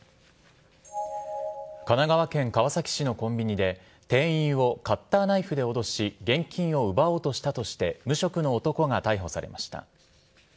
神奈川県川崎市のコンビニで、店員をカッターナイフで脅し、現金を奪おうとしたとして無職の男が逮捕されました。